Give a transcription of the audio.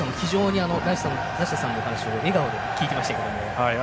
梨田さんの話を笑顔で聞いていましたけど。